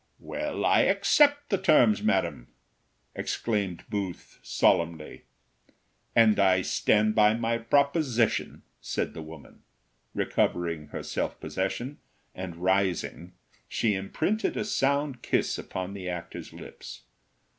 "Well, I accept the terms, madam!" exclaimed Booth, solemnly. "And I stand by my proposition," said the woman, recovering her self possession, and, rising, she imprinted a sound kiss upon the actor's lips.